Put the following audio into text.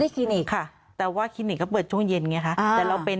คลินิกค่ะแต่ว่าคลินิกก็เปิดช่วงเย็นไงคะแต่เราเป็น